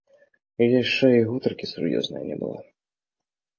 Яшчэ і гутаркі сур'ёзнае не было.